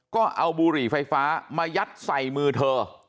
ก็เอาบุหรี่ไฟฟ้ามายัดใส่มือเธอ